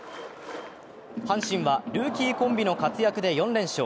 阪神はルーキーコンビの活躍で４連勝。